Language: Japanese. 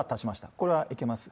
これはいけます。